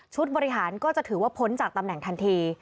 บริหารก็จะถือว่าพ้นจากตำแหน่งทันที